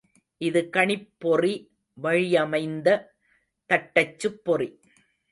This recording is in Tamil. இது கணிப்பொறி வழியமைந்த தட்டச்சுப்பொறி.